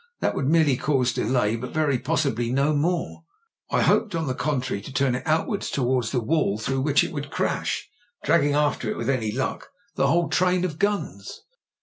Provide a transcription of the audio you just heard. That would merely cause de lay, but very possibly no more. I hoped, on the con trary, to turn it outwards towards the wall, through 148 MEN, WOMEN AND GUNS which it would crash, dragging after it with any luck the whole train of guns.